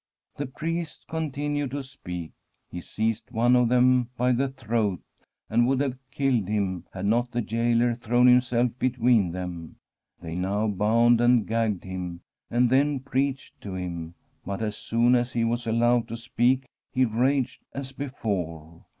The priests continued to speak ; he seized one of them by the throat, and would have killed him had not the gaoler thrown himself between them. They now bound and gagged him, and then preached to him ; but as soon as he was allowed to speak he raged as before.